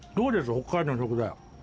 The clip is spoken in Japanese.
北海道の食材。